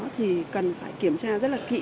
thì cần phải kiểm tra rất là kỹ